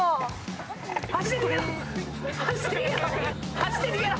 走って逃げろ！